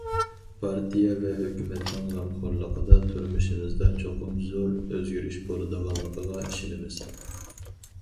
پارتىيە ۋە ھۆكۈمەتنىڭ غەمخورلۇقىدا، تۇرمۇشىمىزدا چوقۇم زور ئۆزگىرىش بولىدىغانلىقىغا ئىشىنىمىز.